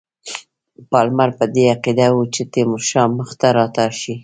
پالمر په دې عقیده وو چې تیمورشاه مخته رانه سي.